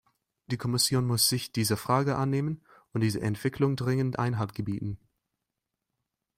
Die Kommission muss sich dieser Frage annehmen und dieser Entwicklung dringend Einhalt gebieten.